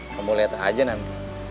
kamu lihat aja nanti